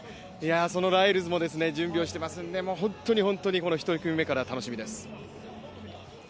そのライルズも準備をしていますので、本当に本当にこの１組目から楽しみです。